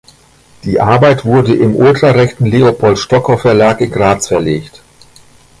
Die Arbeit wurde im ultrarechten Leopold Stocker Verlag in Graz verlegt.